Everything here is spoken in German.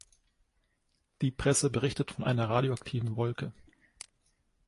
Die Presse berichtet von einer radioaktiven Wolke.